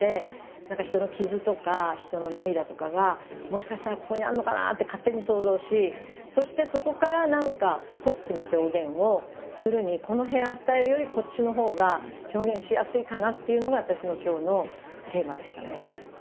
何か人の傷とか人の涙とかがもしかしたらここにあるのかなって勝手に想像しそしてそこから何かポップな表現をするにこのヘアスタイルよりこっちのほうが表現しやすいかなっていうのが私の今日のテーマでしたね。